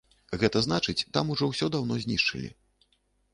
Гэта значыць, там ужо ўсё даўно знішчылі.